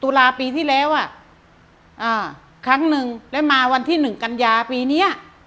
ตุลาปีที่แล้วอ่ะอ่าครั้งหนึ่งแล้วมาวันที่หนึ่งกันยาปีเนี้ย